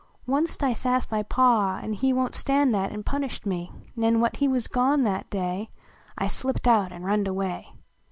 WUNST T sasscd my Pa, an he "Won t staiul that, an punished me, Nen when he \vas gone that day, I slipped out an runned away.